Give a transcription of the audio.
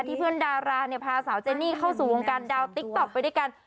เพื่อนดาราเนี่ยพาสาวเจนี่เข้าสู่วงการดาวติ๊กต๊อกไปด้วยกัน